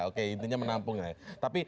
oke intinya menampung aja